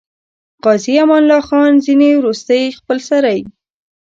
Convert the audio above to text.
عازي امان الله خان ځینې وروستۍخپلسرۍ.